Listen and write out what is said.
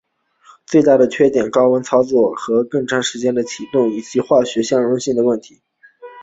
最大的缺点是高温的操作温度导致更长的启动时间以及机械和化学相容性的问题。